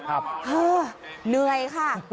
เธอเหนื่อยค่ะ